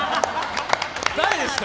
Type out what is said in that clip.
誰ですか？